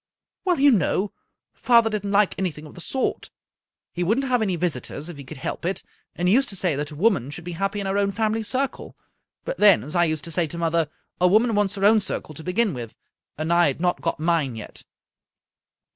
" Well, you know, father didn't like an)rthing of the sort. He wouldn't have any visitors if he could help it, and he used to say that a woman should be happy in her own family circle. But then, as I used to say to mother, a woman wants her own circle to beg^n with, and I had not got mine yet."